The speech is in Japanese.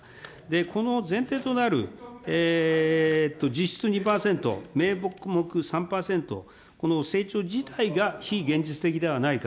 この前提となる実質２％、名目３％、この成長自体が非現実的ではないか、